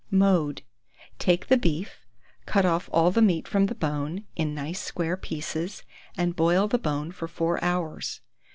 Mode. Take the beef, cut off all the meat from the bone, in nice square pieces, and boil the bone for 4 hours.